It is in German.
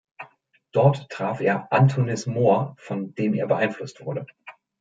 Dort traf er Anthonis Mor, von dem er beeinflusst wurde.